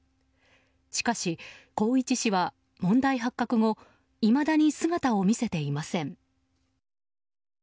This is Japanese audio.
しかし、宏一氏は問題発覚後いまだに姿を見せていません。